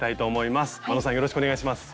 よろしくお願いします。